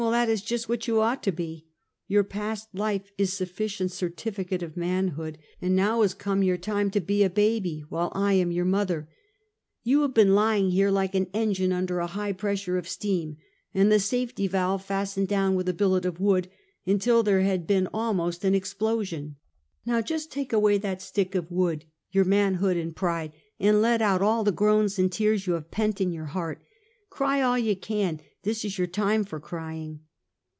That is just what you ought to be. Your past life is sufficient certificate of manhood ; and now Two Treatments. 2T3 has come your time to be a baby, wliile I am motlier. You have been Ivinff lierc like an eno ine, mider a liio li pressure of steam, and tlie safety valve fastened down with a billet of wood, until there has been almost an explosion. ISTow just take away that stick of wood — your manhood and pride, and let out all the groans and tears you have pent in your heart. Cry all you can! This is your time for crying!"